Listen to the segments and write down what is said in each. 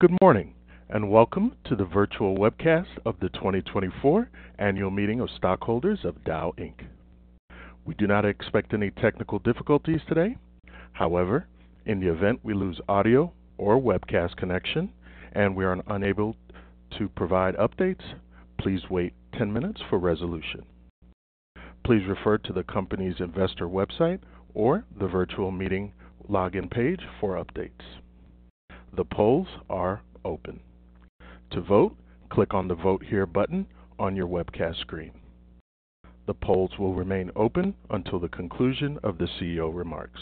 Good morning, and welcome to the virtual webcast of the 2024 Annual Meeting of Stockholders of Dow, Inc. We do not expect any technical difficulties today. However, in the event we lose audio or webcast connection and we are unable to provide updates, please wait 10 minutes for resolution. Please refer to the company's investor website or the virtual meeting login page for updates. The polls are open. To vote, click on the Vote Here button on your webcast screen. The polls will remain open until the conclusion of the CEO remarks.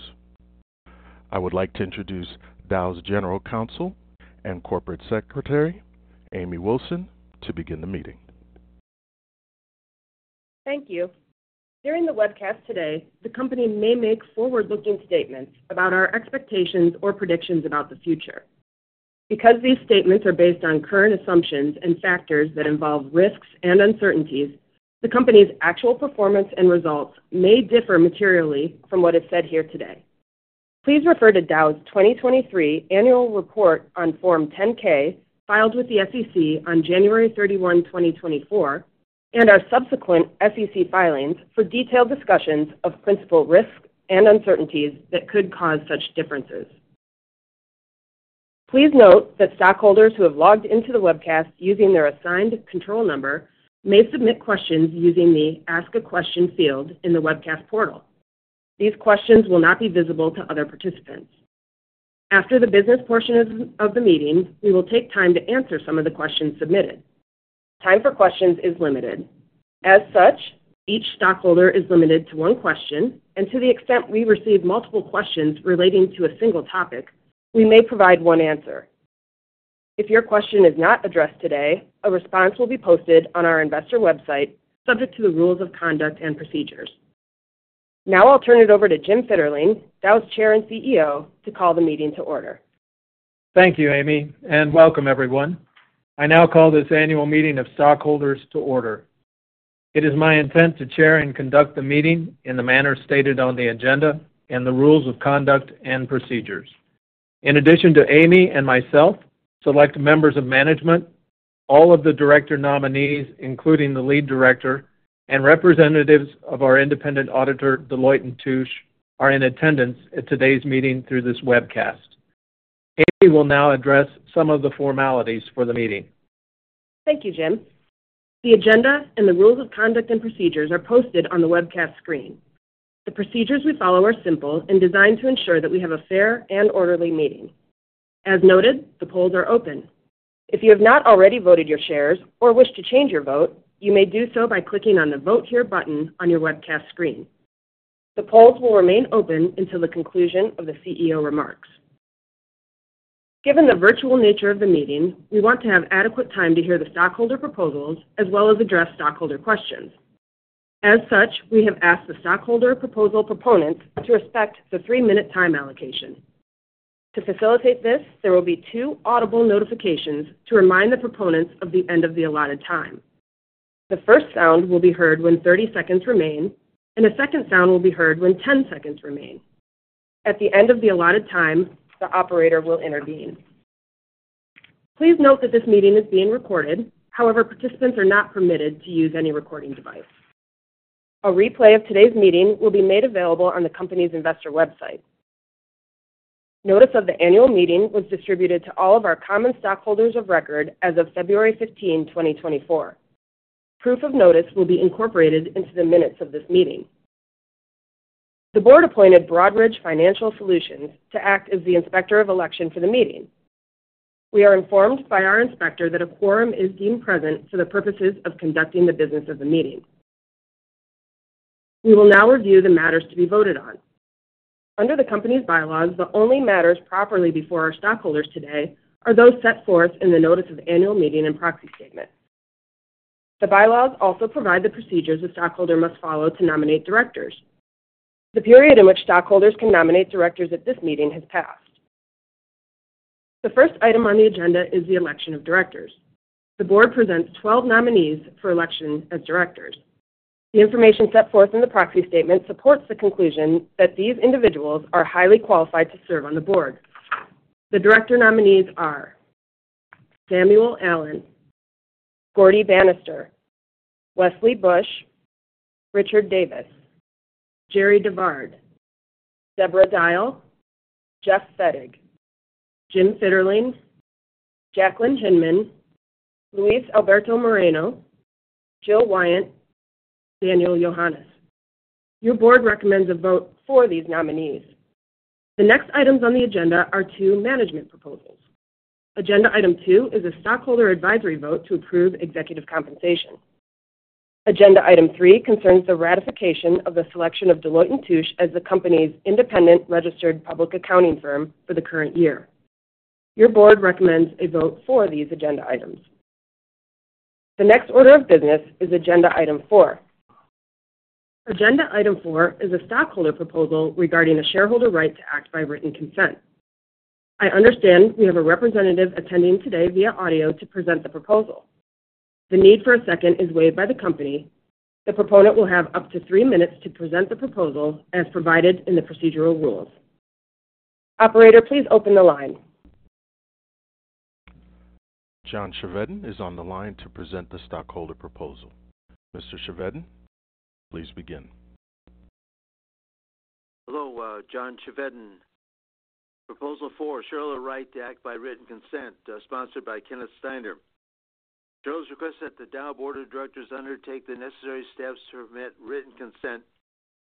I would like to introduce Dow's General Counsel and Corporate Secretary, Amy Wilson, to begin the meeting. Thank you. During the webcast today, the company may make forward-looking statements about our expectations or predictions about the future. Because these statements are based on current assumptions and factors that involve risks and uncertainties, the company's actual performance and results may differ materially from what is said here today. Please refer to Dow's 2023 Annual Report on Form 10-K, filed with the SEC on January 31, 2024, and our subsequent SEC filings for detailed discussions of principal risks and uncertainties that could cause such differences. Please note that stockholders who have logged into the webcast using their assigned control number may submit questions using the Ask a Question field in the webcast portal. These questions will not be visible to other participants. After the business portion of the meeting, we will take time to answer some of the questions submitted. Time for questions is limited. As such, each stockholder is limited to one question, and to the extent we receive multiple questions relating to a single topic, we may provide one answer. If your question is not addressed today, a response will be posted on our investor website, subject to the rules of conduct and procedures. Now I'll turn it over to Jim Fitterling, Dow's Chair and CEO, to call the meeting to order. Thank you, Amy, and welcome everyone. I now call this annual meeting of stockholders to order. It is my intent to chair and conduct the meeting in the manner stated on the agenda and the rules of conduct and procedures. In addition to Amy and myself, select members of management, all of the Director nominees, including the Lead Director and Representatives of our Independent Auditor, Deloitte & Touche, are in attendance at today's meeting through this webcast. Amy will now address some of the formalities for the meeting. Thank you, Jim. The agenda and the rules of conduct and procedures are posted on the webcast screen. The procedures we follow are simple and designed to ensure that we have a fair and orderly meeting. As noted, the polls are open. If you have not already voted your shares or wish to change your vote, you may do so by clicking on the Vote Here button on your webcast screen. The polls will remain open until the conclusion of the CEO remarks. Given the virtual nature of the meeting, we want to have adequate time to hear the stockholder proposals as well as address stockholder questions. As such, we have asked the stockholder proposal proponents to respect the 3-minute time allocation. To facilitate this, there will be two audible notifications to remind the proponents of the end of the allotted time. The first sound will be heard when 30 seconds remain, and a second sound will be heard when 10 seconds remain. At the end of the allotted time, the operator will intervene. Please note that this meeting is being recorded. However, participants are not permitted to use any recording device. A replay of today's meeting will be made available on the company's investor website. Notice of the annual meeting was distributed to all of our common stockholders of record as of February 15, 2024. Proof of notice will be incorporated into the minutes of this meeting. The board appointed Broadridge Financial Solutions to act as the inspector of election for the meeting. We are informed by our inspector that a quorum is deemed present for the purposes of conducting the business of the meeting. We will now review the matters to be voted on. Under the company's bylaws, the only matters properly before our stockholders today are those set forth in the Notice of Annual Meeting and Proxy Statement. The bylaws also provide the procedures a stockholder must follow to nominate Directors. The period in which stockholders can nominate Directors at this meeting has passed. The first item on the agenda is the election of Directors. The Board presents 12 nominees for election as Directors. The information set forth in the proxy statement supports the conclusion that these individuals are highly qualified to serve on the board. The director nominees are: Samuel Allen, Gaurdie Banister, Wesley Bush, Richard Davis, Jerri DeVard, Debra Dial, Jeff Fettig, Jim Fitterling, Jacqueline Hinman, Luis Alberto Moreno, Jill Wyant, Daniel Yohannes. Your board recommends a vote for these nominees. The next items on the agenda are 2 management proposals. Agenda item 2 is a stockholder advisory vote to approve executive compensation. Agenda item 3 concerns the ratification of the selection of Deloitte & Touche as the company's independent registered public accounting firm for the current year. Your board recommends a vote for these agenda items. The next order of business is agenda item 4. Agenda item 4 is a stockholder proposal regarding the shareholder right to act by written consent. I understand we have a representative attending today via audio to present the proposal. The need for a second is waived by the company. The proponent will have up to three minutes to present the proposal as provided in the procedural rules. Operator, please open the line. John Chevedden is on the line to present the stockholder proposal. Mr. Chevedden, please begin. Hello, John Chevedden. Proposal 4, shareholder right to act by written consent, sponsored by Kenneth Steiner. Shareholders request that the Dow Board of Directors undertake the necessary steps to permit written consent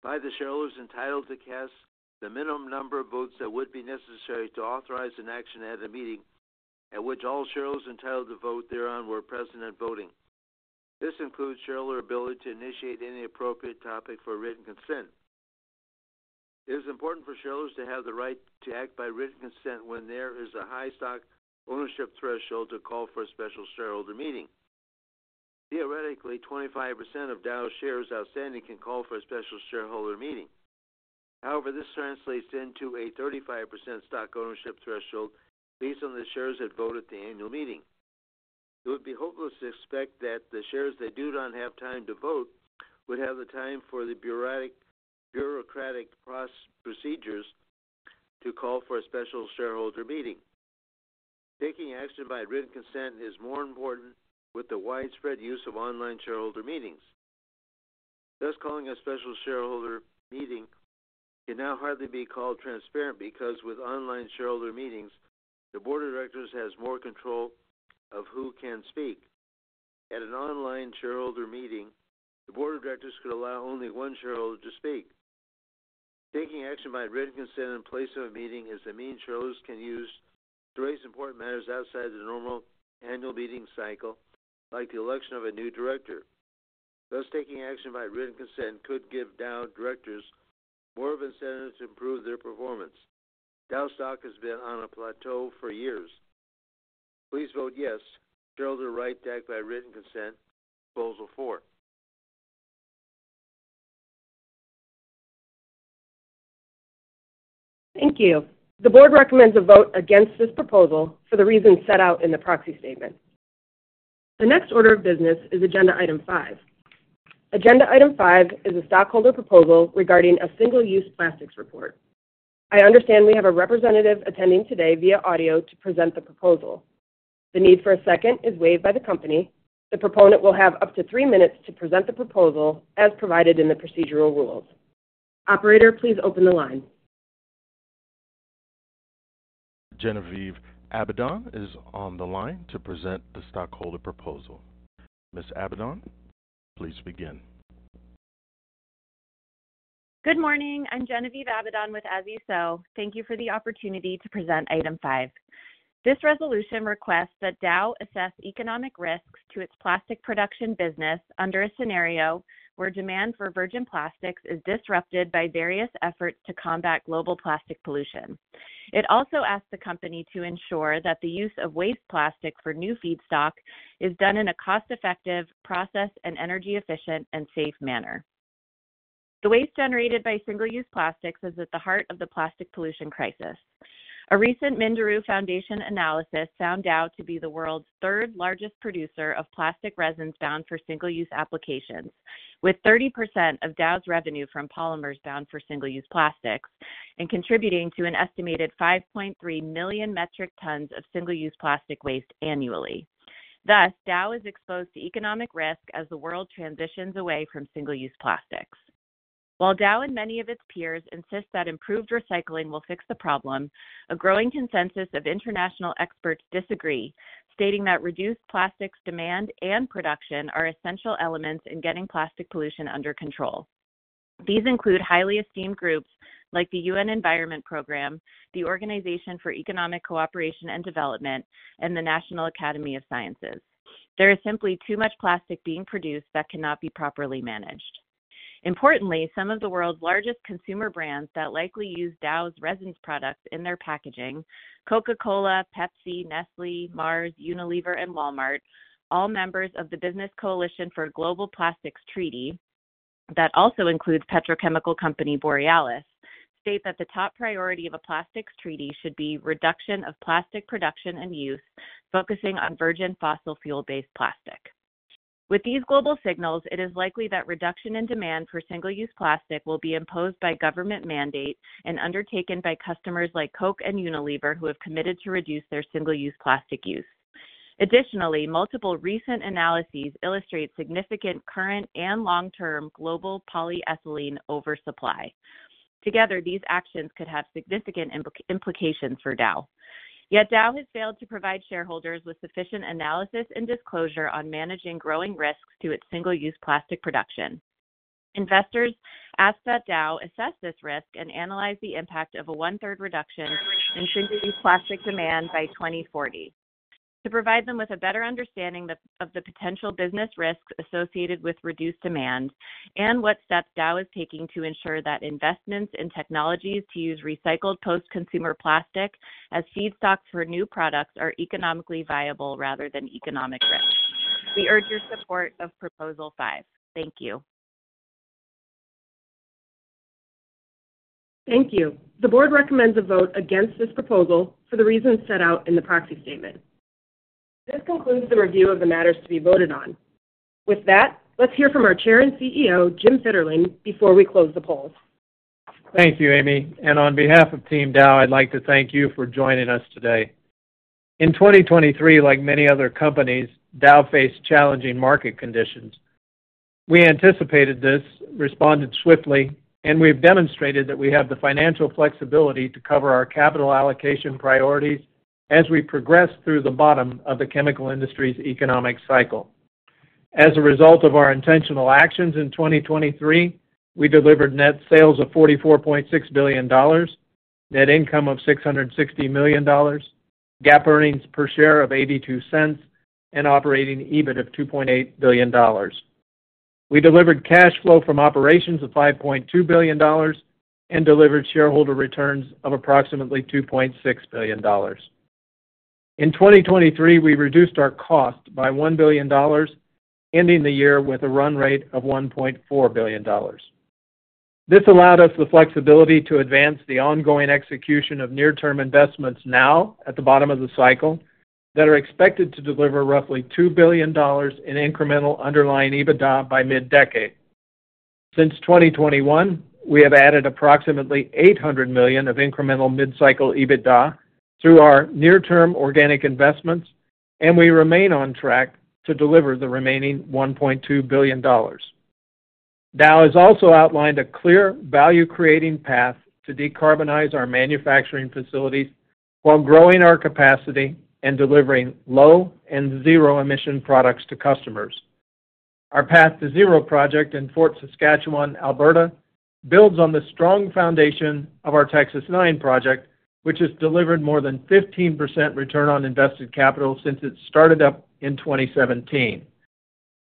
by the shareholders entitled to cast the minimum number of votes that would be necessary to authorize an action at a meeting at which all shareholders entitled to vote thereon were present and voting. This includes shareholder ability to initiate any appropriate topic for written consent. It is important for shareholders to have the right to act by written consent when there is a high stock ownership threshold to call for a special shareholder meeting. Theoretically, 25% of Dow shares outstanding can call for a special shareholder meeting. However, this translates into a 35% stock ownership threshold based on the shares that vote at the annual meeting. It would be hopeless to expect that the shares that do not have time to vote would have the time for the bureaucratic procedures to call for a special shareholder meeting. Taking action by written consent is more important with the widespread use of online shareholder meetings. Thus, calling a special shareholder meeting can now hardly be called transparent, because with online shareholder meetings, the Board of Directors has more control of who can speak. At an online shareholder meeting, the Board of Directors could allow only one shareholder to speak. Taking action by written consent in place of a meeting is the means shareholders can use to raise important matters outside the normal annual meeting cycle, like the election of a new Director. Thus, taking action by written consent could give Dow Directors more of an incentive to improve their performance. Dow stock has been on a plateau for years. Please vote yes. Shareholder right to act by written consent, Proposal 4. Thank you. The board recommends a vote against this proposal for the reasons set out in the proxy statement. The next order of business is agenda item 5. Agenda item 5 is a stockholder proposal regarding a single-use plastics report. I understand we have a representative attending today via audio to present the proposal. The need for a second is waived by the company. The proponent will have up to three minutes to present the proposal as provided in the procedural rules. Operator, please open the line. Genevieve Abedon is on the line to present the stockholder proposal. Ms. Abedon, please begin. Good morning, I'm Genevieve Abedon with As You Sow. Thank you for the opportunity to present item 5. This resolution requests that Dow assess economic risks to its plastic production business under a scenario where demand for virgin plastics is disrupted by various efforts to combat global plastic pollution. It also asks the company to ensure that the use of waste plastic for new feedstock is done in a cost-effective process and energy efficient and safe manner. The waste generated by single-use plastics is at the heart of the plastic pollution crisis. A recent Minderoo Foundation analysis found Dow to be the world's third-largest producer of plastic resins bound for single-use applications, with 30% of Dow's revenue from polymers bound for single-use plastics and contributing to an estimated 5.3 million metric tons of single-use plastic waste annually. Thus, Dow is exposed to economic risk as the world transitions away from single-use plastics. While Dow and many of its peers insist that improved recycling will fix the problem, a growing consensus of international experts disagree, stating that reduced plastics demand and production are essential elements in getting plastic pollution under control. These include highly esteemed groups like the UN Environment Programme, the Organisation for Economic Co-operation and Development, and the National Academy of Sciences. There is simply too much plastic being produced that cannot be properly managed. Importantly, some of the world's largest consumer brands that likely use Dow's resins products in their packaging, Coca-Cola, Pepsi, Nestlé, Mars, Unilever, and Walmart, all members of the Business Coalition for Global Plastics Treaty, that also includes petrochemical company Borealis, state that the top priority of a plastics treaty should be reduction of plastic production and use, focusing on virgin fossil fuel-based plastic. With these global signals, it is likely that reduction in demand for single-use plastic will be imposed by government mandate and undertaken by customers like Coke and Unilever, who have committed to reduce their single-use plastic use. Additionally, multiple recent analyses illustrate significant current and long-term global polyethylene oversupply. Together, these actions could have significant implications for Dow. Yet Dow has failed to provide shareholders with sufficient analysis and disclosure on managing growing risks to its single-use plastic production. Investors ask that Dow assess this risk and analyze the impact of a 1/3 reduction in single-use plastic demand by 2040. To provide them with a better understanding of the potential business risks associated with reduced demand and what steps Dow is taking to ensure that investments in technologies to use recycled post-consumer plastic as feedstocks for new products are economically viable rather than economic risks. We urge your support of Proposal 5. Thank you.... Thank you. The Board recommends a vote against this proposal for the reasons set out in the proxy statement. This concludes the review of the matters to be voted on. With that, let's hear from our Chair and CEO, Jim Fitterling, before we close the polls. Thank you, Amy, and on behalf of Team Dow, I'd like to thank you for joining us today. In 2023, like many other companies, Dow faced challenging market conditions. We anticipated this, responded swiftly, and we've demonstrated that we have the financial flexibility to cover our capital allocation priorities as we progress through the bottom of the chemical industry's economic cycle. As a result of our intentional actions in 2023, we delivered net sales of $44.6 billion, net income of $660 million, GAAP earnings per share of $0.82, and operating EBIT of $2.8 billion. We delivered cash flow from operations of $5.2 billion and delivered shareholder returns of approximately $2.6 billion. In 2023, we reduced our cost by $1 billion, ending the year with a run rate of $1.4 billion. This allowed us the flexibility to advance the ongoing execution of near-term investments now, at the bottom of the cycle, that are expected to deliver roughly $2 billion in incremental underlying EBITDA by mid-decade. Since 2021, we have added approximately $800 million of incremental mid-cycle EBITDA through our near-term organic investments, and we remain on track to deliver the remaining $1.2 billion. Dow has also outlined a clear value-creating path to decarbonize our manufacturing facilities while growing our capacity and delivering low and zero-emission products to customers. Our Path2Zero project in Fort Saskatchewan, Alberta, builds on the strong foundation of our TX-9 project, which has delivered more than 15% return on invested capital since it started up in 2017.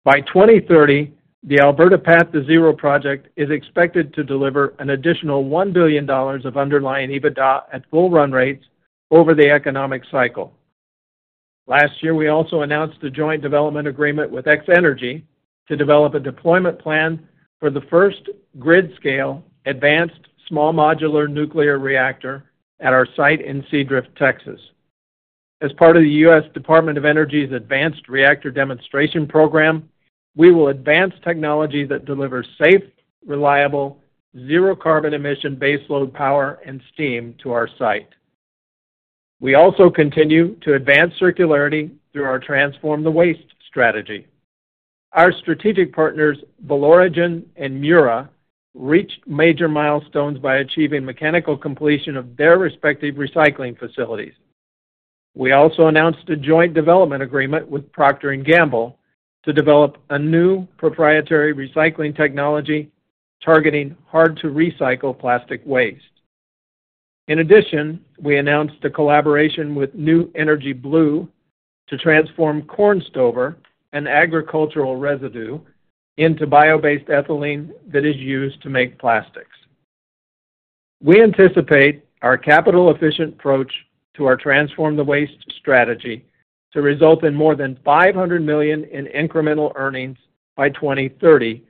By 2030, the Alberta Path2Zero project is expected to deliver an additional $1 billion of underlying EBITDA at full run rates over the economic cycle. Last year, we also announced a joint development agreement with X-energy to develop a deployment plan for the first grid-scale, advanced, small modular nuclear reactor at our site in Seadrift, Texas. As part of the U.S. Department of Energy's Advanced Reactor Demonstration Program, we will advance technology that delivers safe, reliable, zero carbon emission baseload power and steam to our site. We also continue to advance circularity through our Transform the Waste strategy. Our strategic partners, Valoregen and Mura, reached major milestones by achieving mechanical completion of their respective recycling facilities. We also announced a joint development agreement with Procter & Gamble to develop a new proprietary recycling technology targeting hard-to-recycle plastic waste. In addition, we announced a collaboration with New Energy Blue to transform corn stover and agricultural residue into bio-based ethylene that is used to make plastics. We anticipate our capital-efficient approach to our Transform the Waste strategy to result in more than $500 million in incremental earnings by 2030,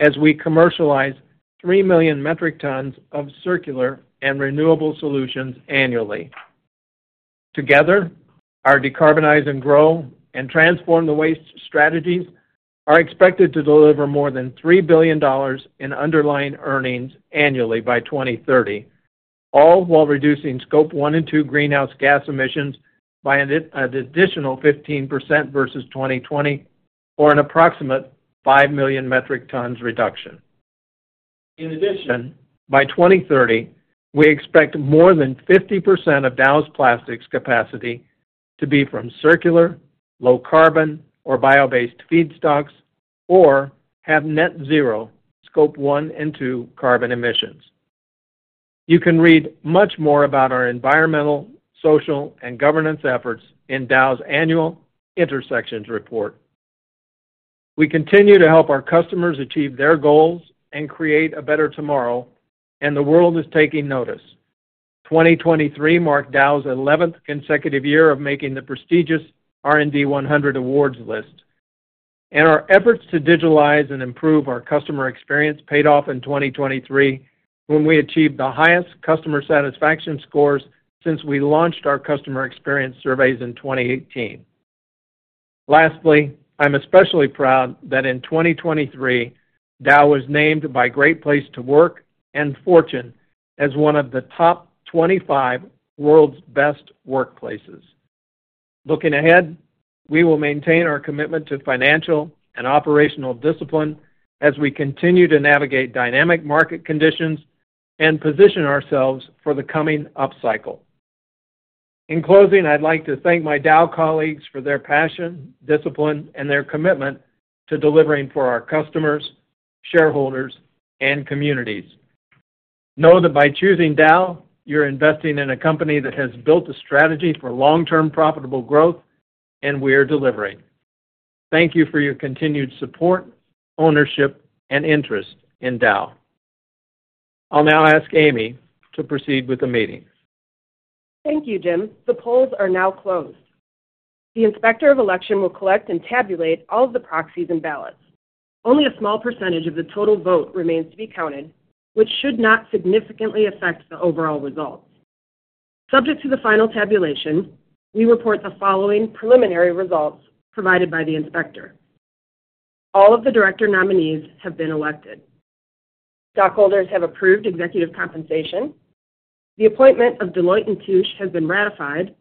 as we commercialize 3 million metric tons of circular and renewable solutions annually. Together, our Decarbonize and Grow and Transform the Waste strategies are expected to deliver more than $3 billion in underlying earnings annually by 2030, all while reducing Scope 1 and 2 greenhouse gas emissions by an additional 15% versus 2020 or an approximate 5 million metric tons reduction. In addition, by 2030, we expect more than 50% of Dow's plastics capacity to be from circular, low carbon, or bio-based feedstocks or have net zero Scope 1 and 2 carbon emissions. You can read much more about our environmental, social, and governance efforts in Dow's annual Intersections Report. We continue to help our customers achieve their goals and create a better tomorrow, and the world is taking notice. 2023 marked Dow's 11th consecutive year of making the prestigious R&D 100 Awards list. Our efforts to digitalize and improve our customer experience paid off in 2023, when we achieved the highest customer satisfaction scores since we launched our customer experience surveys in 2018. Lastly, I'm especially proud that in 2023, Dow was named by Great Place to Work and Fortune as one of the top 25 world's best workplaces. Looking ahead, we will maintain our commitment to financial and operational discipline as we continue to navigate dynamic market conditions and position ourselves for the coming upcycle. In closing, I'd like to thank my Dow colleagues for their passion, discipline, and their commitment to delivering for our customers, shareholders, and communities. Know that by choosing Dow, you're investing in a company that has built a strategy for long-term profitable growth, and we are delivering. Thank you for your continued support, ownership, and interest in Dow. I'll now ask Amy to proceed with the meeting.... Thank you, Jim. The polls are now closed. The Inspector of Election will collect and tabulate all of the proxies and ballots. Only a small percentage of the total vote remains to be counted, which should not significantly affect the overall results. Subject to the final tabulation, we report the following preliminary results provided by the inspector. All of the Director nominees have been elected. Stockholders have approved executive compensation. The appointment of Deloitte & Touche has been ratified,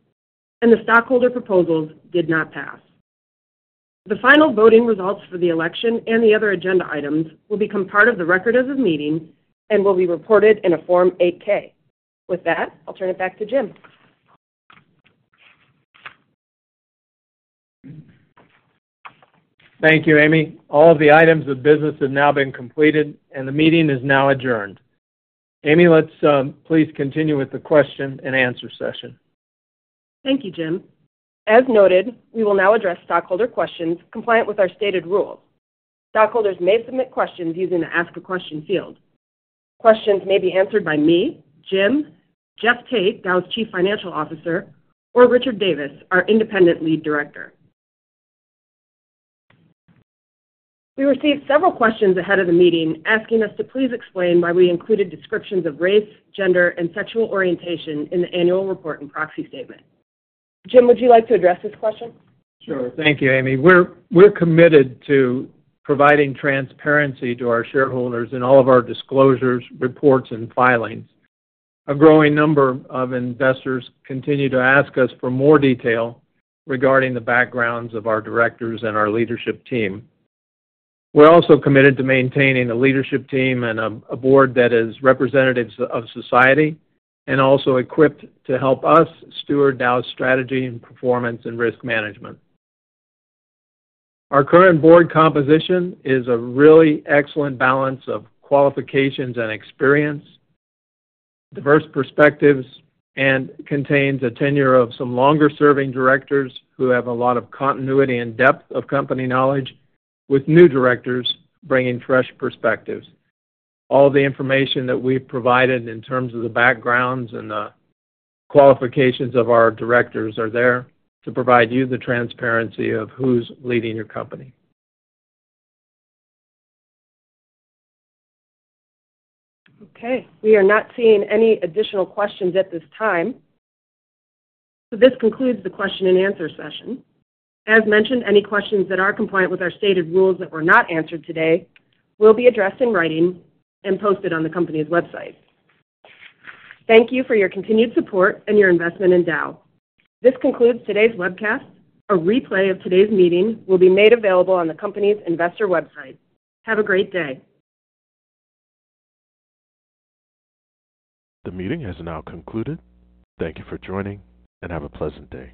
and the stockholder proposals did not pass. The final voting results for the election and the other agenda items will become part of the record of this meeting and will be reported in a Form 8-K. With that, I'll turn it back to Jim. Thank you, Amy. All of the items of business have now been completed, and the meeting is now adjourned. Amy, let's, please continue with the question-and-answer session. Thank you, Jim. As noted, we will now address stockholder questions compliant with our stated rules. Stockholders may submit questions using the Ask a Question field. Questions may be answered by me, Jim, Jeff Tate, Dow's Chief Financial Officer, or Richard Davis, our Independent Lead Director. We received several questions ahead of the meeting, asking us to please explain why we included descriptions of race, gender, and sexual orientation in the annual report and proxy statement. Jim, would you like to address this question? Sure. Thank you, Amy. We're committed to providing transparency to our shareholders in all of our disclosures, reports, and filings. A growing number of investors continue to ask us for more detail regarding the backgrounds of our Directors and our Leadership team. We're also committed to maintaining a Leadership team and a Board that is representative of society and also equipped to help us steward Dow's strategy and performance and risk management. Our current board composition is a really excellent balance of qualifications and experience, diverse perspectives, and contains a tenure of some longer-serving directors who have a lot of continuity and depth of company knowledge, with new directors bringing fresh perspectives. All the information that we've provided in terms of the backgrounds and the qualifications of our directors are there to provide you the transparency of who's leading your company. Okay, we are not seeing any additional questions at this time. So, this concludes the question-and-answer session. As mentioned, any questions that are compliant with our stated rules that were not answered today will be addressed in writing and posted on the company's website. Thank you for your continued support and your investment in Dow. This concludes today's webcast. A replay of today's meeting will be made available on the company's investor website. Have a great day! The meeting has now concluded. Thank you for joining, and have a pleasant day.